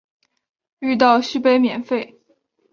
遇到续杯免费